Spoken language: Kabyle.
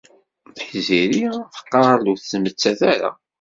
Tiziri teqqar-d ur tettmettat ara.